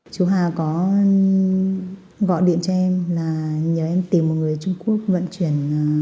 chú hà có gọi điện cho em là nhờ em tìm một người trung quốc vận chuyển